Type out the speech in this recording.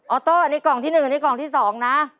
ออโต้อันนี้กล่องที่หนึ่งอันนี้กล่องที่สองนะ